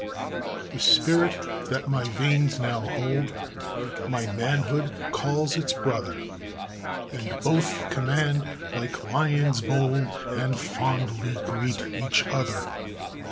The spirit that my veins now hold, My manhood calls its brother! And both command, like lions bold, And fondly greet each other.